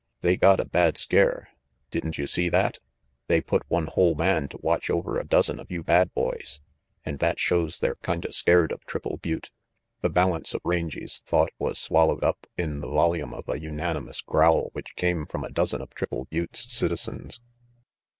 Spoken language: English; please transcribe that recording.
They got a bad scare. Didn't you see that? They put one whole man to watch only a dozen of you bad boys, an' that shows they're kinda scared of Triple Butte " The balance of Rangy's thought was swallowed up in the volume of a unanimous growl which came from a dozen of Triple Butte's citizens.